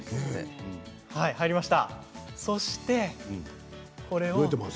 入りました。